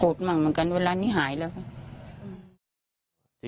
โกรธมากเหมือนกันเวลานี้หายแล้ว